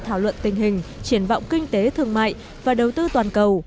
thảo luận tình hình triển vọng kinh tế thương mại và đầu tư toàn cầu